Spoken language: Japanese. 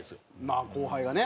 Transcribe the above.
まあ後輩がね。